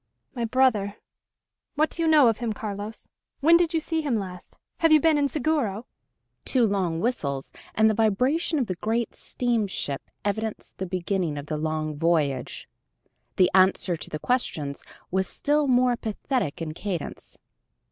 "My brother ... what do you know of him, Carlos? When did you see him last? Have you been in Seguro?" Two long whistles, and the vibration of the great steamship evidenced the beginning of the long voyage. The answer to the questions was still more pathetic in cadence.